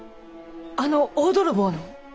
あの大泥棒の？